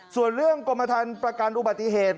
ส่วนเรื่องกรมฐานประกันอุบัติเหตุ